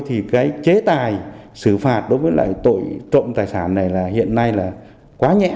thì cái chế tài xử phạt đối với lại tội trộm tài sản này là hiện nay là quá nhẹ